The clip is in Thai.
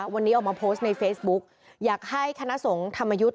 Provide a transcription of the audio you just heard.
วันนี้ออกมาโพสต์ในเฟซบุ๊กอยากให้คณะสงฆ์ธรรมยุทธ์